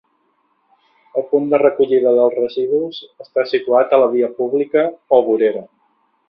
El punt de recollida dels residus està situat a la via pública o vorera.